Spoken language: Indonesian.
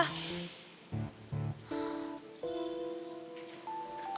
makan siang sama siapa